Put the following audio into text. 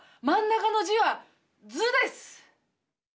真ん中の字は「ず」です。